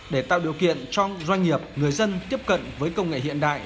để tạo điều kiện cho doanh nghiệp người dân tiếp cận với công nghệ hiện đại